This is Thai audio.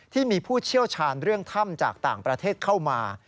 ที่มีผู้เชี่ยวชาญเรื่องถ้ำจากต่างประเทศเข้ามา